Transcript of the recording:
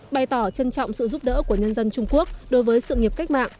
bày tỏ trân trọng sự giúp đỡ của nhân dân trung quốc đối với sự nghiệp cách mạng